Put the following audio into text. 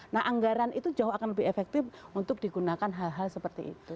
nah anggaran itu jauh akan lebih efektif untuk digunakan hal hal seperti itu